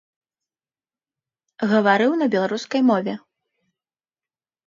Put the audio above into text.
Гаварыў на беларускай мове.